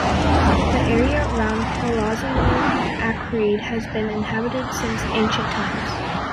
The area around Palazzolo Acreide has been inhabited since ancient times.